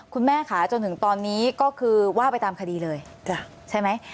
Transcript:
คุณแม่ค่ะจนถึงตอนนี้ก็คือว่าไปตามคดีเลยใช่ไหม